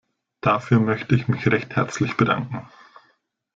Dafür möchte ich mich recht herzlich bedanken.